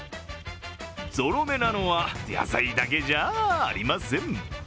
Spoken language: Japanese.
ゾロ目なのは野菜だけじゃありません。